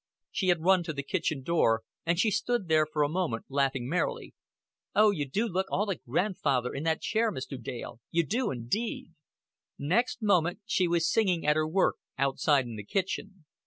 She had run to the kitchen door, and she stood there for a moment laughing merrily. "Oh, you do look all a gran'father in that chair, Mr. Dale. You do, indeed." Next moment she was singing at her work outside in the kitchen.